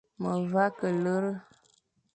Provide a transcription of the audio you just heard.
Me vagha ke lere.